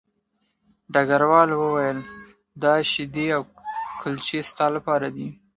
ډګروال وویل دا شیدې او کلچې ستا لپاره دي